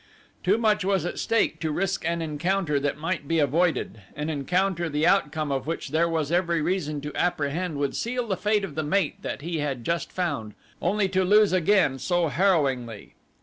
Too much was at stake to risk an encounter that might be avoided an encounter the outcome of which there was every reason to apprehend would seal the fate of the mate that he had just found, only to lose again so harrowingly.